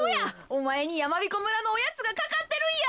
おまえにやまびこ村のおやつがかかってるんや。